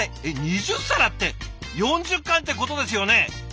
えっ２０皿って４０貫ってことですよね？